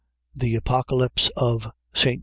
THE APOCALYPSE OF ST.